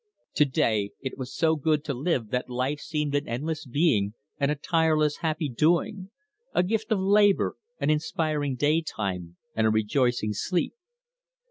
To day it was so good to live that life seemed an endless being and a tireless happy doing a gift of labour, an inspiring daytime, and a rejoicing sleep.